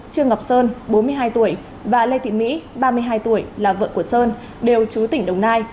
trương ngọc sơn bốn mươi hai tuổi và lê thị mỹ ba mươi hai tuổi là vợ của sơn đều chú tỉnh đồng nai